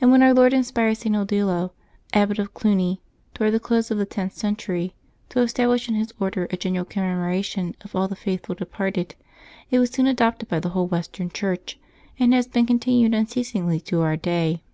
And when Our Lord inspired St. Odilo, Abbot of Cluny, towards the close of the tenth century, to establish in his Order a general commemoration of all the faithful de parted, it was soon adopted by the whole Western Church, and has been continued unceasingly to our day.